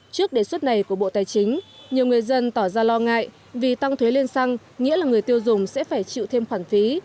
trước đề xuất này của bộ tài chính nhiều người dân tỏ ra lo ngại vì tăng thuế lên xăng nghĩa là người tiêu dùng sẽ phải chịu thêm khoản phí